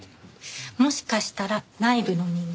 もしかしたら内部の人間。